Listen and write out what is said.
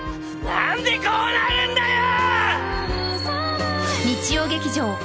何でこうなるんだよ！